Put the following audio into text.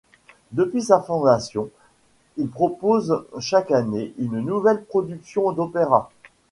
Depuis sa fondation, il propose chaque année une nouvelle production d'opéra.